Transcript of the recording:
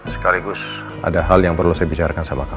sekaligus ada hal yang perlu saya bicarakan sama kami